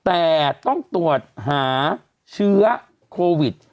แต่ต้องตรวจหาเชื้อโควิด